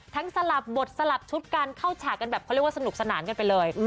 สลับบทสลับชุดกันเข้าฉากกันแบบเขาเรียกว่าสนุกสนานกันไปเลย